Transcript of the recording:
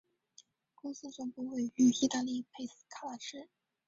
公司总部位于意大利佩斯卡拉市。